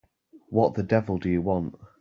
What the devil do you want?